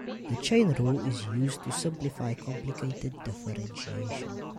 The chain rule is used to simplify complicated differentiation.